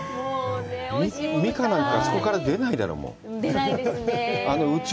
美佳なんか、あそこから出ないだろう？